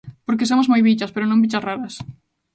Porque somos moi bichas, pero non bichas raras.